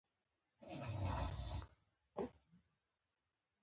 لار ښوونه